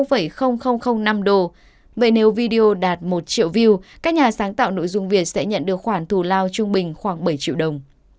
vậy nếu video đạt một triệu view các nhà sáng tạo nội dung việt sẽ nhận được khoản thù lao trung bình khoảng bảy triệu đồng